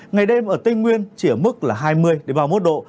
ngày đêm ở tây nguyên chỉ ở mức là hai mươi ba mươi một độ